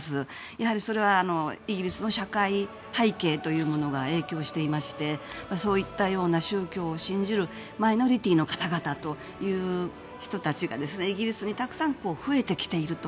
やはり、それはイギリスの社会背景というものが影響していましてそういったような宗教を信じるマイノリティーの方々という人たちがイギリスにたくさん増えてきていると。